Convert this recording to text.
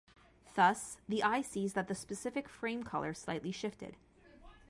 Thus, the eye sees that specific frame color slightly shifted.